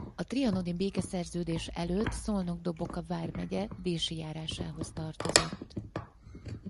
A trianoni békeszerződés előtt Szolnok-Doboka vármegye Dési járásához tartozott.